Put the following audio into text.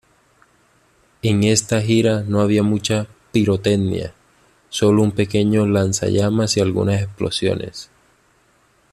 En esta gira no había mucha pirotecnia, sólo un pequeño lanzallamas y algunas explosiones.